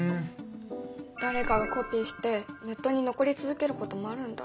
誰かがコピーしてネットに残り続けることもあるんだ。